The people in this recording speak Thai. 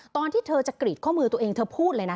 ตอนที่เธอจะกรีดข้อมือตัวเองเธอพูดเลยนะ